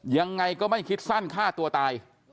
ยังไงก็ไม่คิดสั้นฆ่าตัวตาย